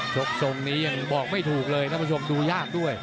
ทรงนี้ยังบอกไม่ถูกเลยท่านผู้ชมดูยากด้วย